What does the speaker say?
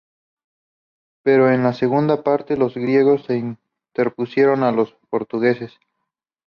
Pero en la segunda parte, los griegos se impusieron a los portugueses.